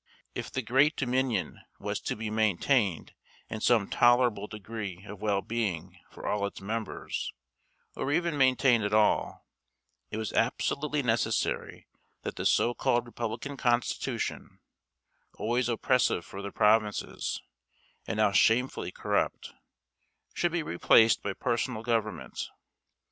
If the great dominion was to be maintained in some tolerable degree of well being for all its members, or even maintained at all, it was absolutely necessary that the so called Republican constitution, always oppressive for the provinces, and now shamefully corrupt, should be replaced by personal government.